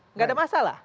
enggak ada masalah